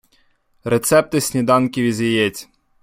Рецепти сніданків із яєць